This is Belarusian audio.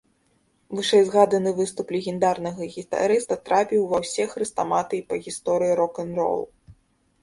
Вышэйзгаданы выступ легендарнага гітарыста трапіў ва ўсе хрэстаматыі па гісторыі рок-н-ролу.